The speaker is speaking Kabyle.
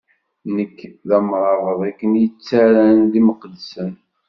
Nekk, d amṛabeḍ i ken-ittarran d imqeddsen.